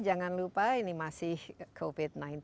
jangan lupa ini masih covid sembilan belas